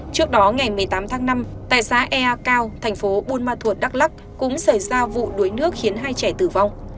trước đó ngày một mươi tám tháng năm tại xã ea cao thành phố buôn ma thuột đắk lắc cũng xảy ra vụ đuối nước khiến hai trẻ tử vong